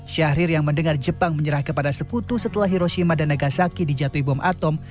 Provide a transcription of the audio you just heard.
syahrir yang mendengar jepang menyerah kepada sekutu setelah hiroshima dan negasaki dijatuhi bom atom